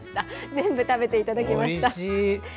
全部食べていただきました。